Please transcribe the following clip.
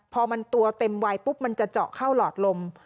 พอมันตัวเต็มวัยปุ๊บมันจะเจาะเข้าหลอดลม